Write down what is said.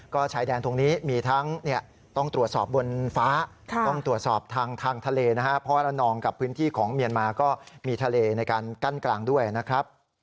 ก็ชายแดนตรงนี้มีทั้งต้องตรวจสอบบนฟ้า